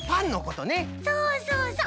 そうそうそう。